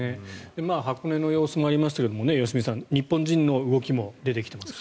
箱根の様子もありましたが日本人の動きも出てきています。